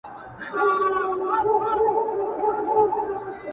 o که ولي نه يم، خالي هم نه يم.